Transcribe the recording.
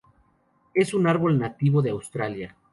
Es un árbol nativo de Australia.